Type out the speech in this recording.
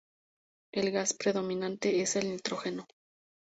El gas predominante es el nitrógeno.